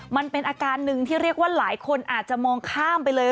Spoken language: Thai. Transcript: มันเป็นอาการหนึ่งที่เรียกว่าหลายคนอาจจะมองข้ามไปเลย